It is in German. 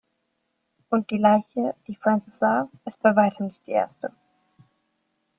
Und die Leiche, die Francis sah, ist bei weitem nicht die erste.